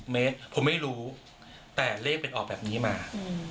เมตรผมไม่รู้แต่เลขเป็นออกแบบนี้มา